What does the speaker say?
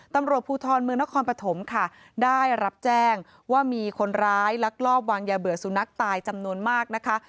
ตำรวจภูทรเมืองนครปฐมค่ะได้รับแจ้งว่ามีคนร้ายลักลอบวางยาเบื่อสุนัขตายจำนวนมากนะคะ